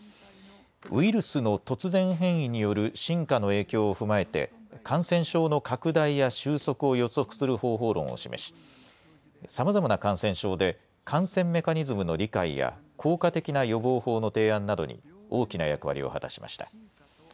ウイルスの突然変異による進化の影響を踏まえて、感染症の拡大や収束を予測する方法論を示し、さまざまな感染症で感染メカニズムの理解や効果的な予防法の提案などに大きな役割を果たしました。